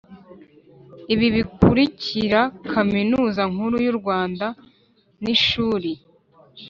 Ibi bikurikira kaminuza nkuru y u rwanda unr ishuri